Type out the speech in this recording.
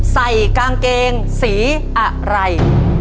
ใส่กางเกงสีอะไร